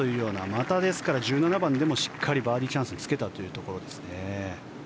また、ですから１７番でもしっかりバーディーチャンスにつけたというところですね。